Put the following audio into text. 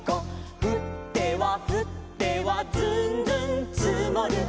「ふってはふってはずんずんつもる」